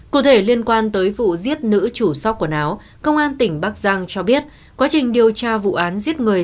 cụ thể liên quan tới vụ giết nữ chủ sóc quần áo công an tỉnh bắc giang cho biết quá trình điều tra vụ án giết người